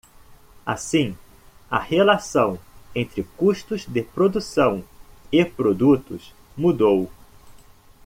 Assim, a relação entre custos de produção e produtos mudou.